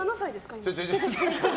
今。